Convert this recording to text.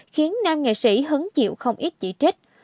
khiến nam nghệ sĩ hứng chịu không ít chỉ trích